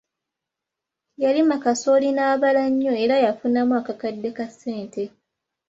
Yalima kasooli n'abala nnyo era yafunamu akakadde ka ssente.